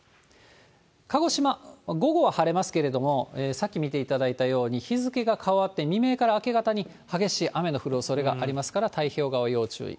鹿児島、午後は晴れますけれども、さっき見ていただいたように、日付が変わって未明から明け方に、激しい雨の降るおそれがありますから、太平洋側要注意。